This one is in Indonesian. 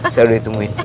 saya udah ditungguin